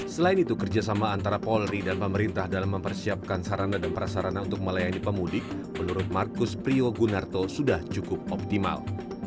selain itu kerjasama antara polri dan pemerintah dalam mempersiapkan sarana dan prasarana untuk melayani pemudik menurut markus prio gunarto sudah cukup optimal